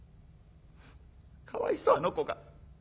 かわいそうあの子が。